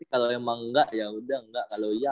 kalau emang enggak yaudah enggak